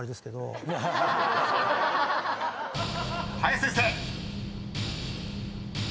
［林先生］